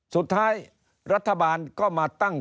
สุดท้ายรัฐบาลก็มาตั้ง